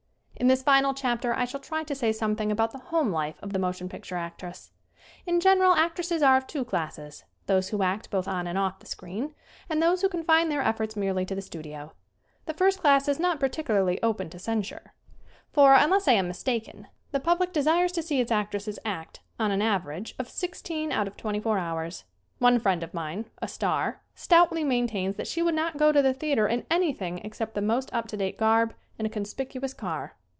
IN THIS final chapter I shall try to say some thing about the home life of the motion picture actress. In general actresses are of two classes: those who act both on and off the screen, and those who confine their efforts merely to the studio. The first class is not particularly open to censure. For, unless I am mistaken, the public desires to see its actresses act on an average of sixteen out of twenty four hours. One friend of mine, a star, stoutly maintains that she would not go to the theater in anything except the most up to date garb and a conspicuous car!